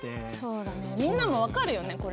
みんなも分かるよね？